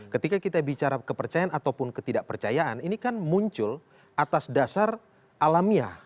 ketika kita bicara kepercayaan ataupun ketidakpercayaan ini kan muncul atas dasar alamiah